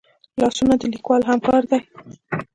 لاسونه د لیکوال همکار دي